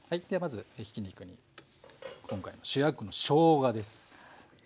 ではまずひき肉に今回の主役のしょうがです。